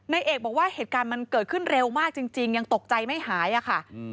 ในเอกบอกว่าเหตุการณ์มันเกิดขึ้นเร็วมากจริงยังตกใจไม่หายอะค่ะ